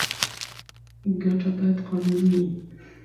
ګټه باید قانوني وي.